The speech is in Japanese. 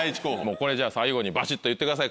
これじゃあ最後にばしっと言ってください